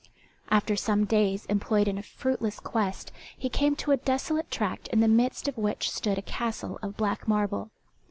After some days employed in a fruitless quest he came to a desolate tract in the midst of which stood a castle of black marble.